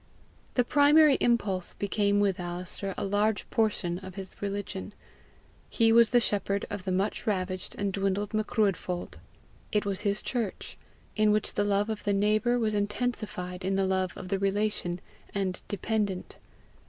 The primary impulse became with Alister a large portion of his religion: he was the shepherd of the much ravaged and dwindled Macruadh fold; it was his church, in which the love of the neighbour was intensified in the love of the relation and dependent.